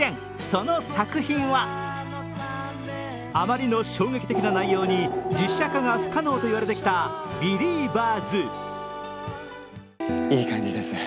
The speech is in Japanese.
その作品はあまりの衝撃的な内容に実写化が不可能と言われてきた「ビリーバーズ」。